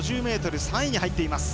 ５０ｍ３位に入っています。